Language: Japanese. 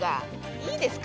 いいですか？